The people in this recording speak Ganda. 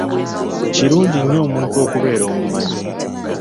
Kirungi nnyo omuntu okubeera omumanyi.